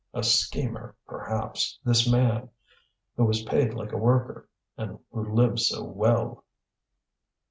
A schemer, perhaps, this man who was paid like a worker, and who lived so well!